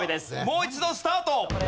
もう一度スタート！